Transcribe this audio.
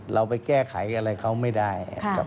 เราไปแก้ไขอะไรเขาไม่ได้